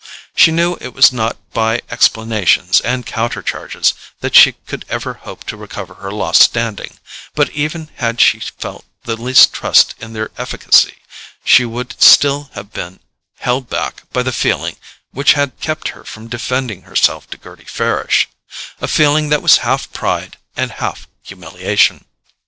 She knew it was not by explanations and counter charges that she could ever hope to recover her lost standing; but even had she felt the least trust in their efficacy, she would still have been held back by the feeling which had kept her from defending herself to Gerty Farish—a feeling that was half pride and half humiliation.